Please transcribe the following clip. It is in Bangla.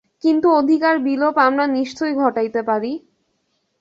কিন্তু অধিকার-বিলোপ আমরা নিশ্চয়ই ঘটাইতে পারি।